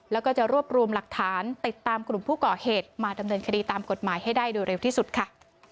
แล้วก็จะรวบรวมหลักฐานติดตามกลุ่มผู้ก่อเหตุมาดำเนินคดีตามกฎหมายให้ได้โดยเร็วที่สุดค่ะ